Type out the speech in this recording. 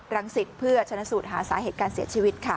สิทธิ์เพื่อชนะสูตรหาสาเหตุการเสียชีวิตค่ะ